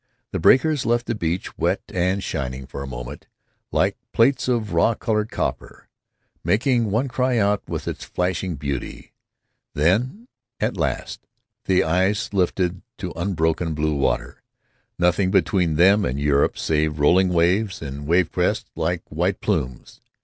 The breakers left the beach wet and shining for a moment, like plates of raw colored copper, making one cry out with its flashing beauty. Then, at last, the eyes lifted to unbroken bluewater—nothing between them and Europe save rolling waves and wave crests like white plumes.